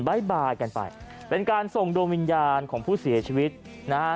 ๊ายบายกันไปเป็นการส่งดวงวิญญาณของผู้เสียชีวิตนะฮะ